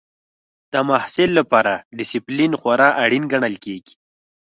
د محصل لپاره ډسپلین خورا اړین ګڼل کېږي.